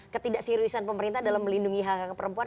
ketidakseriusan pemerintah dalam melindungi hak hak perempuan